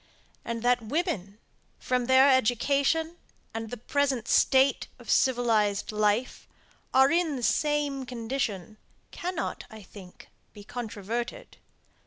And that women, from their education and the present state of civilized life, are in the same condition, cannot, I think, be controverted.